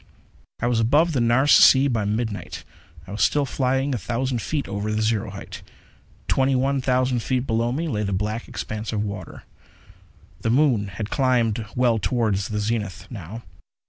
I was above the Nares Sea, by midnight. I was still flying a thousand feet over the zero height. Twenty one thousand feet below me lay the black expanse of water. The moon had climbed well toward the zenith, now.